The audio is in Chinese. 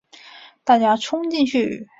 大家冲进去